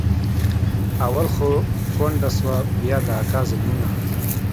اول خو کونډه سوه بيا د اکا ظلمونه.